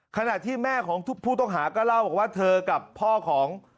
ขณะที่แม่ของผู้ต้องหาก็เล่าบอกว่าเธอกับพ่อของ